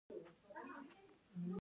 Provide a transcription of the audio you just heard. ټول په یوه لاره روان دي.